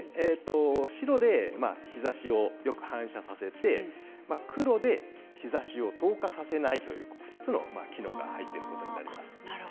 白で日ざしをよく反射させて黒で日ざしを透過させないという２つの機能が入っているということになります。